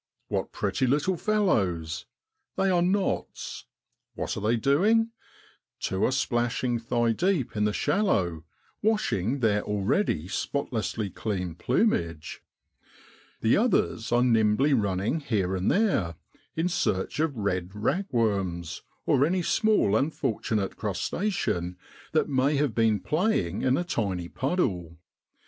What pretty little fellows! they are knots. What are they doing? Two are splashing thigh deep in the shallow, washing their already spotlessly clean plumage. The others are nimbly running here and there in search of red ragworms, or any small unfortunate crustacean that may have been playing in a tiny puddle.